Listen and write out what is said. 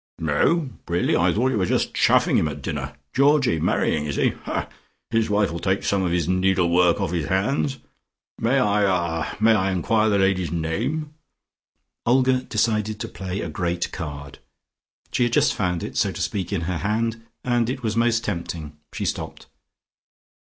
"No, really? I thought you were just chaffing him at dinner. Georgie marrying, is he? His wife'll take some of his needlework off his hands. May I ah may I enquire the lady's name?" Olga decided to play a great card. She had just found it, so to speak, in her hand, and it was most tempting. She stopped.